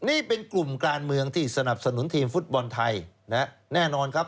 นี่เป็นกลุ่มการเมืองที่สนับสนุนทีมฟุตบอลไทยนะฮะแน่นอนครับ